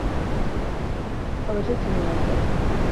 أوجدت جوازك؟